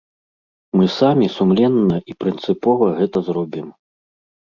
Мы самі сумленна і прынцыпова гэта зробім.